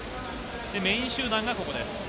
メイン集団がここです。